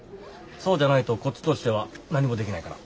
そうじゃないとこっちとしては何もできないから。